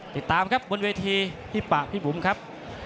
ติดตามครับบนเวทีพี่ปะพี่บุ๋มครับ